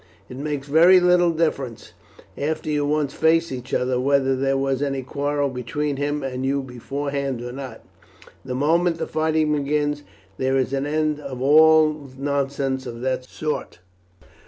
It makes very little difference, after you once face each other, whether there was any quarrel between him and you beforehand or not; the moment the fighting begins, there is an end of all nonsense of that sort.